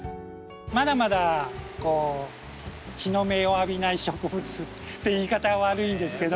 まだまだ日の目を浴びない植物って言い方は悪いんですけど。